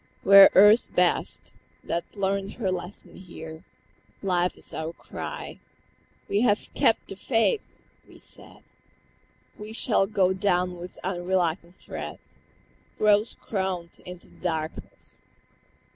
"We are Earth's best, that learnt her lesson here. Life is our cry. We have kept the faith!" we said; "We shall go down with unreluctant tread Rose crowned into the darkness!"